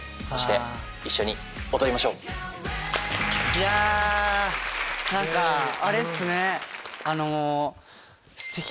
いや何かあれっすね！